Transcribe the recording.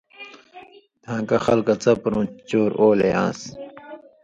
دھان٘کہ خلکہ څپرؤں چور اولے آن٘س